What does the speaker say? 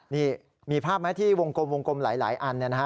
นี่มีภาพไหมที่วงกลมหลายอันนะฮะ